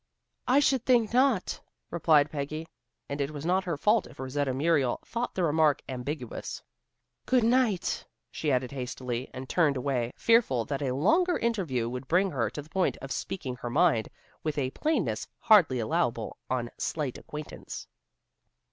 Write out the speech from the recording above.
"I should think not," replied Peggy, and it was not her fault if Rosetta Muriel thought the remark ambiguous. "Good night," she added hastily and turned away, fearful that a longer interview would bring her to the point of speaking her mind with a plainness hardly allowable on slight acquaintance.